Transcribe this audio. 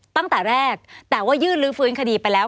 ตั้งแต่แรกยื่นลือฟื้นคดีไปแล้ว